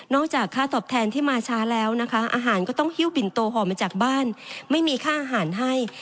จากค่าตอบแทนที่มาช้าแล้วนะคะอาหารก็ต้องฮิ้วบินโตห่อมาจากบ้านไม่มีค่าอาหารให้